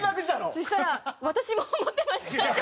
そしたら「私も思ってました」って返ってきて。